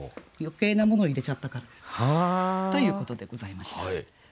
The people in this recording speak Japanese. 余計なものを入れちゃったかなということでございました。